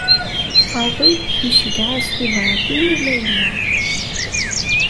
Faḍil iceyyeɛ-as tibṛatin i Layla.